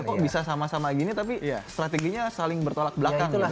kok bisa sama sama gini tapi strateginya saling bertolak belakang